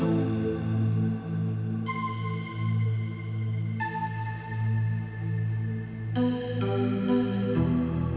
oh nah ya min san